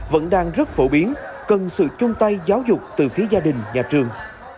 vẫn đang rất phổ biến cần sự chung tay giáo dục từ phía gia đình nhà trường